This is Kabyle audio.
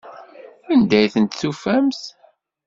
Anda i tent-tufamt?